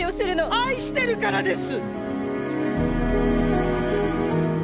愛してるからです！